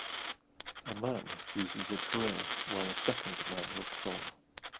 A man uses a drill while a second man looks on.